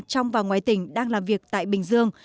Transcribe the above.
trong và ngoài tỉnh đang làm việc tại bình dương